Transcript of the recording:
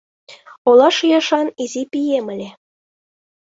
Ола шӱяшан изи пием ыле